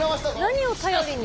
何を頼りに？